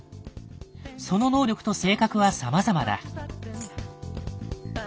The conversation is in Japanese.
その能力と性格はさまざまだ。